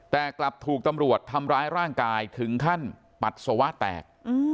แต่กลับถูกตำรวจทำร้ายร่างกายถึงขั้นปัสสาวะแตก